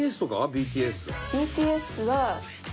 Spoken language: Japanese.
ＢＴＳは。